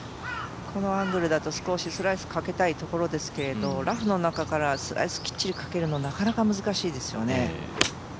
このアングルだと少しスライスかけたいところですけれども、ラフの中からスライスをきっちりかけるのはなかなか難しいですよね。